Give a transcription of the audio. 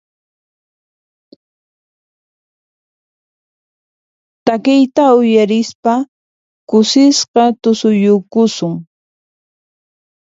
Takiqta uyarispa kusisqa tusuyukusun.